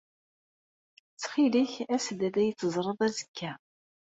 Ttxil-k, as-d ad iyi-teẓreḍ azekka.